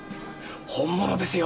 本物ですよ